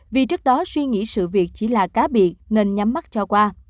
vì trước đó suy nghĩ sự việc chỉ là cá bị nên nhắm mắt cho qua